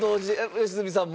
良純さんも？